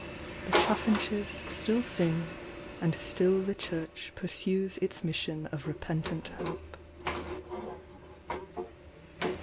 The chaffinches still sing, and still the Church Pursues its mission of Repentant Hope.